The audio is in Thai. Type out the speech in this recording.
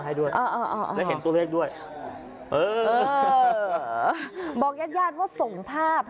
อ่าอ๋อได้เห็นตัวเลขด้วยอือบอกญาติว่าส่งทาบ